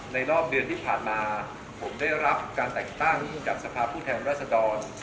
รอบเดือนที่ผ่านมาผมได้รับการแต่งตั้งจากสภาพผู้แทนราชดร